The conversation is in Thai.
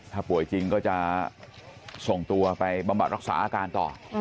ถ้าป่วยจริงก็จะส่งตัวไปบำบัดรักษาอาการต่อ